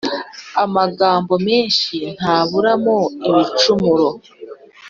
Amagambo menshi ntaburamo ibicumuro